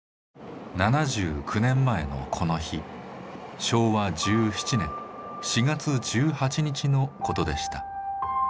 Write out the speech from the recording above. ７９年前のこの日昭和１７年４月１８日のことでした。